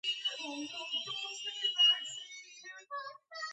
აქ მოთხრობილია აღნიშნული ელჩობის ამბავი.